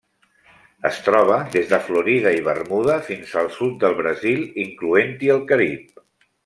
Es troba des de Florida i Bermuda fins al sud del Brasil, incloent-hi el Carib.